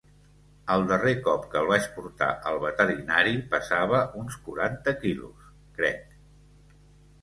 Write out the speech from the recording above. El darrer cop que el vaig portar al veterinari pesava uns quaranta quilos, crec.